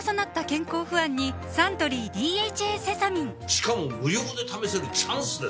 しかも無料で試せるチャンスですよ